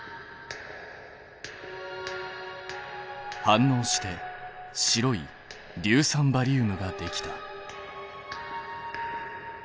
反応して白い硫酸バリウムができた。